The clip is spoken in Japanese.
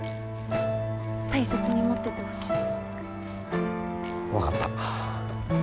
大切に持っててほしい。分かった。